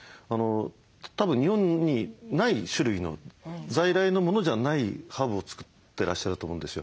たぶん日本にない種類の在来のものじゃないハーブを作ってらっしゃると思うんですよ。